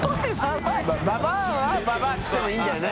丱丱△「ババア」って言ってもいいんだよね？